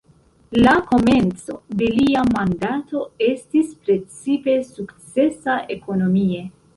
La komenco de lia mandato estis precipe sukcesa ekonomie.